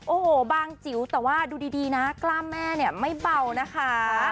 โอ้โหบางจิ๋วแต่ว่าดูดีนะกล้ามแม่เนี่ยไม่เบานะคะ